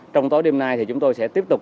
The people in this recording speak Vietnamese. trong tối đêm nay chúng tôi sẽ tiếp tục